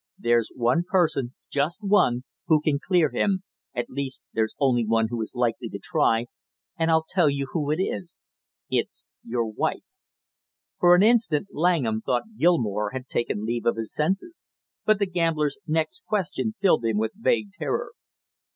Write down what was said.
There's one person, just one, who can clear him, at least there's only one who is likely to try, and I'll tell you who it is it's your wife " For an instant Langham thought Gilmore had taken leave of his senses, but the gambler's next question filled him with vague terror.